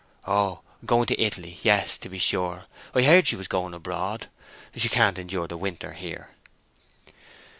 Oh, going to Italy—yes to be sure, I heard she was going abroad, she can't endure the winter here."